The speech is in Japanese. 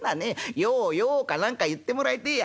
『ようよう』か何か言ってもらいてえや。